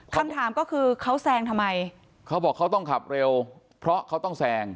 คำถามก็คือเขาแซงทำไมเขาบอกเขาต้องขับเร็วเพราะเขาต้องแซง